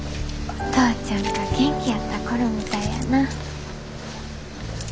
お父ちゃんが元気やった頃みたいやな。